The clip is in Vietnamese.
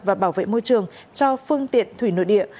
và bảo vệ môi trường cho phương tiện thủy nội địa